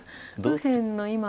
右辺の今。